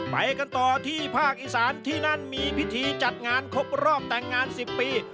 ไปกันต่อที่ภาคอีสานที่นั่นมีพิธีจัดงานครบรอบแต่งงาน๑๐ปี